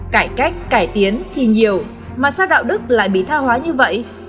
cải cách cải tiến thì nhiều mà sao đạo đức lại bị tha hóa như vậy